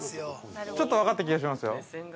ちょっと分かった気がしますよ。